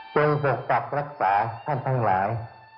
เช่นปฎิกรรมรักษาท่านทั้งหลาย